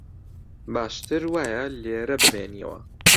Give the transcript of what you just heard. باشتر وایە لێرە بمێنییەوە